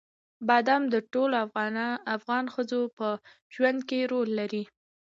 بادام د ټولو افغان ښځو په ژوند کې رول لري.